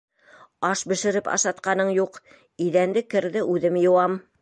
Аш бешереп ашатҡаның юҡ, иҙәнде, керҙе үҙем йыуам...